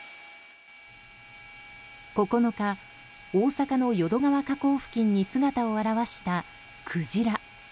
９日、大阪の淀川河口付近に姿を現したクジラ。